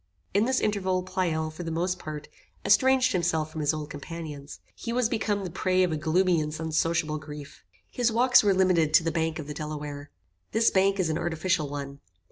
In this interval, Pleyel, for the most part, estranged himself from his old companions. He was become the prey of a gloomy and unsociable grief. His walks were limited to the bank of the Delaware. This bank is an artificial one.